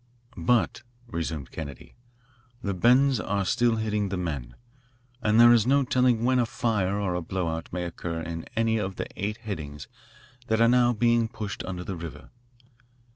"But," resumed Kennedy, "the bends are still hitting the men, and there is no telling when a fire or a blow out may occur in any of the eight headings that are now being pushed under the river.